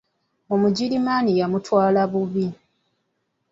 Omugirimaani yamutwala bubi.